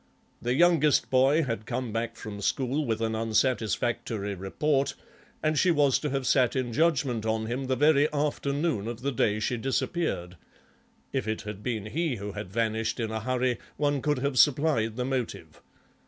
The youngest boy had come back from school with an unsatisfactory report, and she was to have sat in judgement on him the very afternoon of the day she disappeared—if it had been he who had vanished in a hurry one could have supplied the motive.